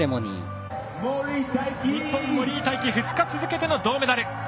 日本、森井大輝２日続けての銅メダル。